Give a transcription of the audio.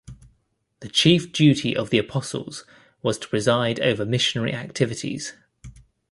The chief duty of the apostles was to preside over missionary activities.